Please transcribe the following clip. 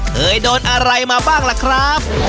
เคยโดนอะไรมาบ้างล่ะครับ